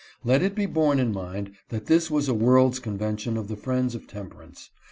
Let it be borne in mind that this was a world's convention of the friends of temperance.